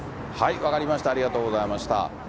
分かりました、ありがとうございました。